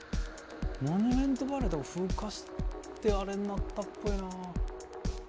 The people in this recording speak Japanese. モニュメントバレーとか風化してあれになったっぽいな。